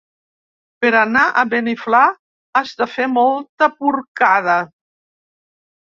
Per amar a Beniflà has de fer molta porcada.